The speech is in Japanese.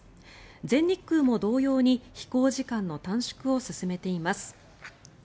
全日空も同様に飛行時間の短縮を進めています。